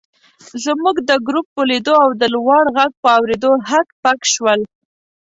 زموږ د ګروپ په لیدو او د لوړ غږ په اورېدو هک پک شول.